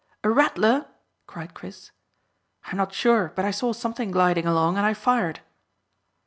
"A rattler?" cried Chris. "I'm not sure, but I saw something gliding along, and I fired."